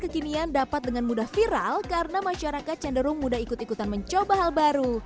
kekinian dapat dengan mudah viral karena masyarakat cenderung mudah ikut ikutan mencoba hal baru